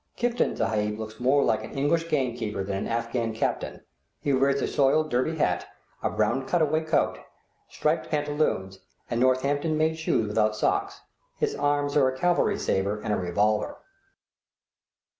Kiftan Sahib looks more like an English game keeper than an Afghan captain; he wears a soiled Derby hat, a brown cut away coat, striped pantaloons, and Northampton made shoes without socks; his arms are a cavalry sabre and a revolver.